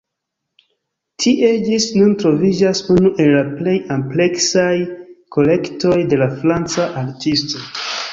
Tie ĝis nun troviĝas unu el la plej ampleksaj kolektoj de la franca artisto.